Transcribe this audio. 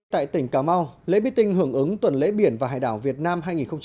tại tỉnh cà mau lễ bí tinh hưởng ứng tuần lễ biển và hải đảo việt nam hai nghìn một mươi bảy